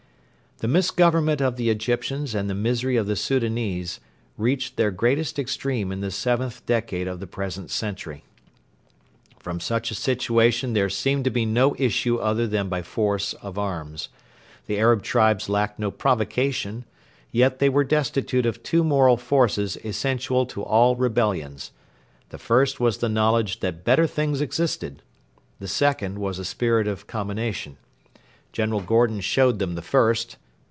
The misgovernment of the Egyptians and the misery of the Soudanese reached their greatest extreme in the seventh decade of the present century. From such a situation there seemed to be no issue other than by force of arms. The Arab tribes lacked no provocation. Yet they were destitute of two moral forces essential to all rebellions. The first was the knowledge that better things existed. The second was a spirit of combination. General Gordon showed them the first.